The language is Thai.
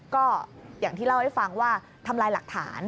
ก็อย่างที่เล่าให้ฟังว่าทำลายหลักฐาน